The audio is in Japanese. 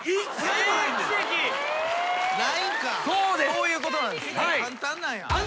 そういうことなんすね。